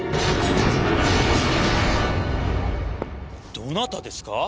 どなたですか？